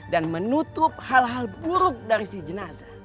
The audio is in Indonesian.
dan menutup hal hal buruk dari si jenazah